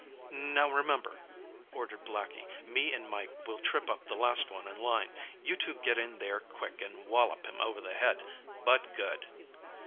"Now, remember!" ordered Blackie. "Me an' Mike will trip up the last one in line. You two get in there quick an' wallop him over the head but good!"